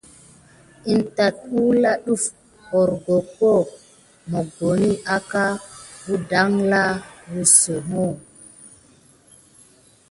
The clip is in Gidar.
Kine tate wulane adef horko mokoni aka gudanla wusodi.